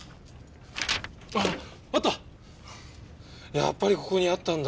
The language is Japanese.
やっぱりここにあったんだ。